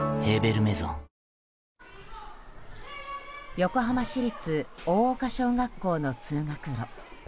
横浜市立大岡小学校の通学路。